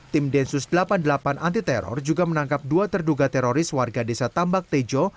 tim densus delapan puluh delapan anti teror juga menangkap dua terduga teroris warga desa tambak tejo